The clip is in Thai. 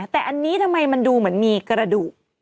แต่อันนี้ทำไมมันดูเหมือนมีกระดูก